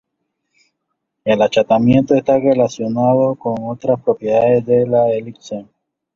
El achatamiento está relacionado con otras propiedades de la elipse.